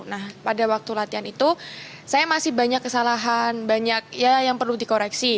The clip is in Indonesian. nah pada waktu latihan itu saya masih banyak kesalahan banyak ya yang perlu dikoreksi